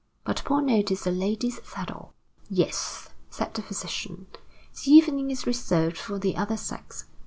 But Paul noticed a lady's saddle. "Yes," said the physician; "the evening is reserved for the other sex.